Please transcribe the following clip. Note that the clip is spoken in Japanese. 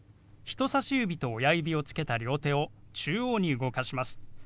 人さし指と親指をつけた両手を中央に動かします。